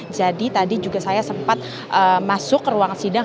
jadi tadi juga saya sempat masuk ke ruang sidang